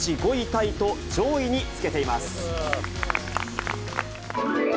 タイと、上位につけています。